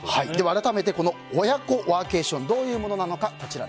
改めて親子ワーケーションどういうものなのか、こちら。